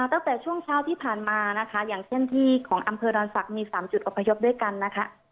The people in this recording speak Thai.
ตั้งแต่ช่วงเช้าที่ผ่านมานะคะอย่างเช่นที่ของอำเภอดอนศักดิ์มี๓จุดอพยพด้วยกันนะคะ